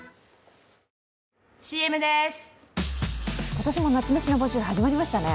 今年も夏メシの募集始まりましたね。